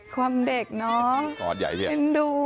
ความเด็กเนาะ